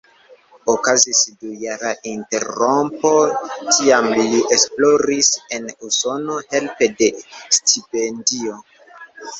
Okazis dujara interrompo, tiam li esploris en Usono helpe de stipendio.